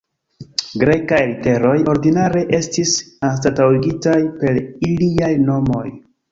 Grekaj literoj ordinare estis anstataŭigitaj per iliaj nomoj.